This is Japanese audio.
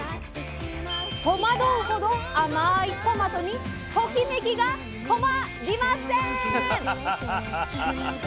戸惑うほど甘いトマトにトキメキが「トマ」りません！